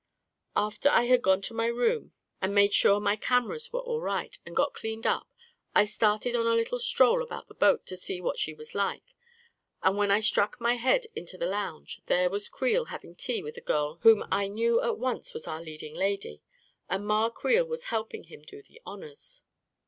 After I had gone to my room, and made sure my cameras were all right, and got cleaned up, I started on a little stroll about the boat to see what she was like, and when I stuck my head into the lounge, there was Creel having tea with a girl whom I knew at once was our leading lady; and Ma Creel was helping him do the honors.